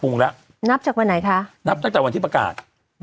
นับจากวันที่ประกาศ